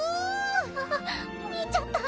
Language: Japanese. あ見ちゃった！